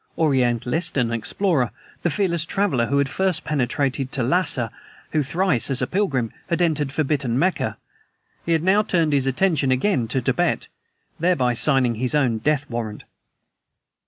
Orientalist and explorer, the fearless traveler who first had penetrated to Lhassa, who thrice, as a pilgrim, had entered forbidden Mecca, he now had turned his attention again to Tibet thereby signing his own death warrant.